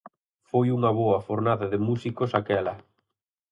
Foi unha boa fornada de músicos aquela.